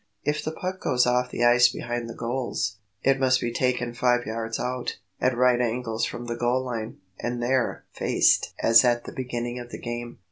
If the puck goes off the ice behind the goals, it must be taken five yards out, at right angles from the goal line, and there "faced" as at the beginning of the game.